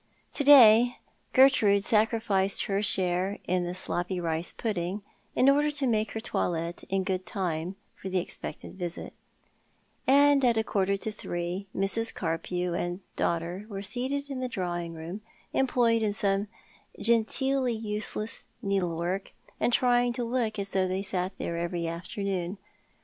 To day Gertrude sacrificed her share in the sloppy rice pudding in order to make her toilette in good time for the expected visit; and at a quarter to three Mrs. Carpew and daughter were seated in the drawing room, employed in some genteelly useless needlework, and trying to look as if they sat there every afternoon.